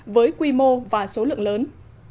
với quy mô và số lượng lớn